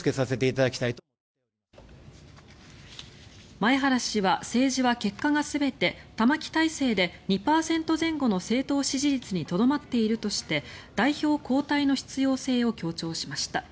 前原氏は政治は結果が全て玉木体制で２％前後の政党支持率にとどまっているとして代表交代の必要性を強調しました。